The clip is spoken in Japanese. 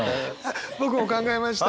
僕も考えました。